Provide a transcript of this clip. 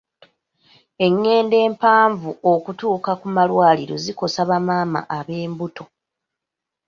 Engendo empanvu okutuuka ku malwaliro zikosa ba maama ab'embuto.